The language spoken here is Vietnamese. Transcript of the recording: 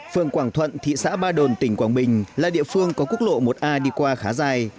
phường quảng thuận thị xã ba đồn tỉnh quảng bình là địa phương có quốc lộ một a đi qua khá dài